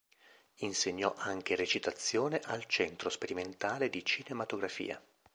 Insegnò anche recitazione al Centro Sperimentale di Cinematografia.